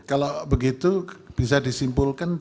kalau begitu bisa disimpulkan